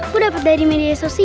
aku dapat dari media sosial